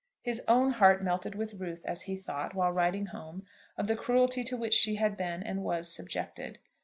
His own heart melted with ruth as he thought, while riding home, of the cruelty to which she had been and was subjected.